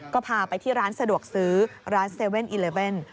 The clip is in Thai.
ก็พาไปที่ร้านสะดวกซื้อร้าน๗๑๑